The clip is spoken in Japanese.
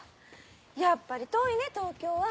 やっぱり遠いね東京は。